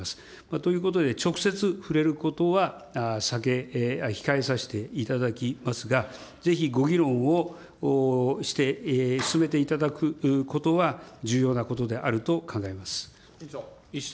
ということで、直接、触れることは控えさせていただきますが、ぜひご議論をして、進めていただくことは、重要なことであると考えます。